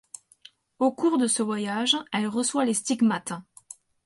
Au cours de ce voyage elle reçoit les stigmates.